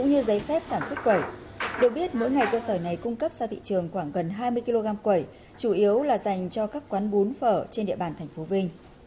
hãy đăng ký kênh để ủng hộ kênh của chúng mình nhé